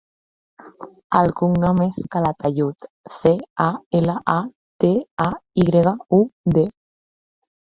El cognom és Calatayud: ce, a, ela, a, te, a, i grega, u, de.